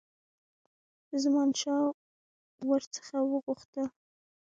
زمانشاه ور څخه وغوښتل.